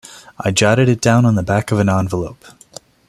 I jotted it down on the back of an envelope.